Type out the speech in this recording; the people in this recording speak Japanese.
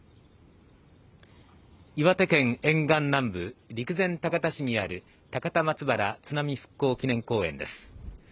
岩手県沿岸南部陸前高田市にある高田松原津波復興祈念公園です